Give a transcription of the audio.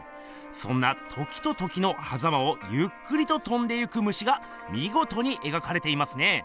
そんな時と時のはざまをゆっくりととんでゆくムシがみごとに描かれていますね。